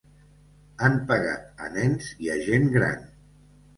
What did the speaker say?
Han pegat a nens i a gent gran.